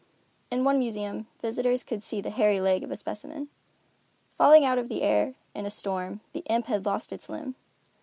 In one museum, visitors could see the hairy leg of a specimen. Falling out of the air in a storm, the imp had lost his limb.